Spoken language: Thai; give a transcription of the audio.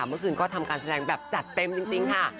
เมื่อคืนก็ทำการแสดงแบบจัดเต็มจริงค่ะ